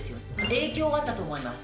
影響はあったと思います。